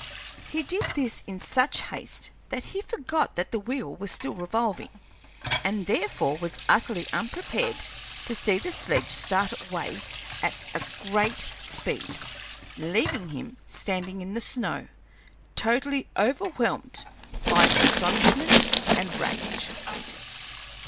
He did this in such haste that he forgot that the wheel was still revolving, and therefore was utterly unprepared to see the sledge start away at a great speed, leaving him standing on the snow, totally overwhelmed by astonishment and rage.